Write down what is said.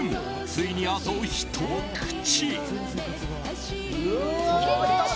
ついに、あとひと口！